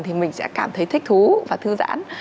thì mình sẽ cảm thấy thích thú và thư giãn